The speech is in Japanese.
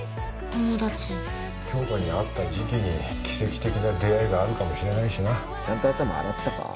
友達杏花に合った時期に奇跡的な出会いがあるかもしれないしなちゃんと頭洗ったか？